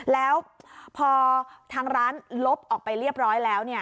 แล้วพอทางร้านลบออกไปเรียบร้อยแล้ว